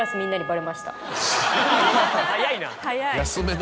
早いな。